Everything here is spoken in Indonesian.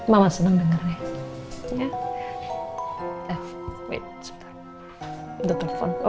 mama senang denger ya